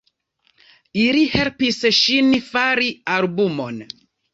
Ili helpis ŝin fari albumon.